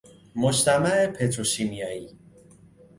مجتمع پتروشیمیائی